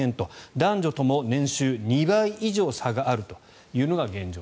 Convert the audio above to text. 男女とも年収２倍以上差があるというのが現状。